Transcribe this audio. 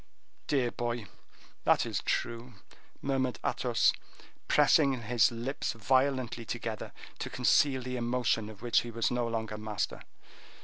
"Dear boy, that is true," murmured Athos, pressing his lips violently together to conceal the emotion of which he was no longer master.